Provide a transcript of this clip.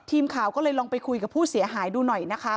ทีมข่าวก็เลยลองไปคุยกับผู้เสียหายดูหน่อยนะคะ